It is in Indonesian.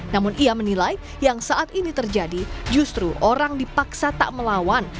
namun ia menilai yang saat ini terjadi justru orang dipaksa tak melawan